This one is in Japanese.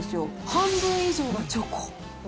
半分以上がチョコ。